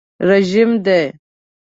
رژیم دی.